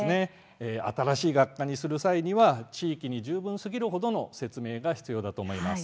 新しい学科にする際には地域に十分すぎるほどの説明が必要だと思います。